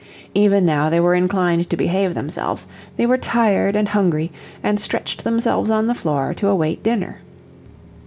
Even now they were inclined to behave themselves; they were tired and hungry, and stretched themselves on the floor, to await dinner.